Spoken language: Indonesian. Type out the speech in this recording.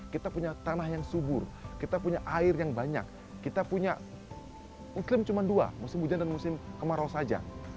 kita punya tanah yang subur kita punya air yang banyak kita punya muslim cuma dua musim hujan dan musim kemarau saja